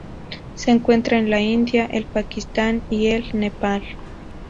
Se encuentra en la India, el Pakistán y el Nepal.